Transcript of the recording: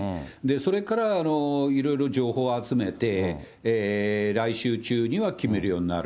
それからいろいろ情報を集めて、来週中には決めるようになる。